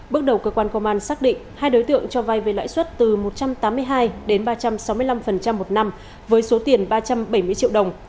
bước đầu cơ quan công an xác định hai đối tượng cho vai về lãi suất từ một trăm tám mươi hai đến ba trăm sáu mươi năm một năm với số tiền ba trăm bảy mươi triệu đồng